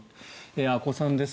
阿古さんです。